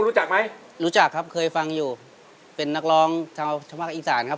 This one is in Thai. รู้จักไหมรู้จักครับเคยฟังอยู่เป็นนักร้องชาวภาคอีสานครับ